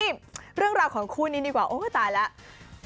เรื่องราวของคู่นี้ดีกว่าโอ้ยตายแล้ว